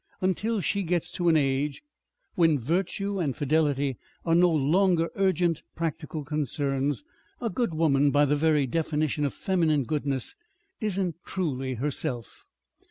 Until she gets to an age when virtue and fidelity are no longer urgent practical concerns, a good woman, by the very definition of feminine goodness, isn't truly herself.